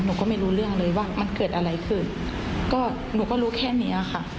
หนูก็ไม่รู้เรื่องเลยว่ามันเกิดอะไรขึ้นก็หนูก็รู้แค่เนี้ยค่ะ